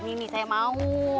kalau gini nih saya mau